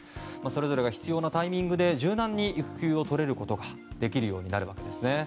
それぞれが必要なタイミングで柔軟に育休を取ることができるようになるわけですね。